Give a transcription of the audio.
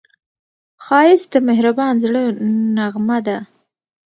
ښایست د مهربان زړه نغمه ده